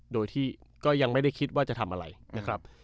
โดยที่ก็ยังไม่ได้คิดว่าจะทำอะไรนะครับ